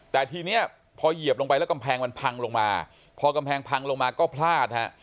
แต่ทีนี้พอเหยียบลงไปแล้วกำแพงมันพังลงมาพอกำแพงพังลงมาก็พลาดฮะ